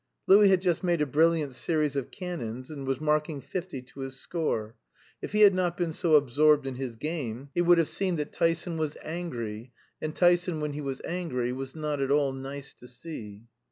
Louis had just made a brilliant series of cannons, and was marking fifty to his score. If he had not been so absorbed in his game, he would have seen that Tyson was angry; and Tyson when he was angry was not at all nice to see.